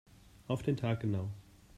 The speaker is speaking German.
Auf den Tag genau.